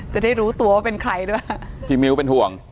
จะได้รู้ตัวว่าเป็นใครด้วยพี่มิ้วเป็นห่วง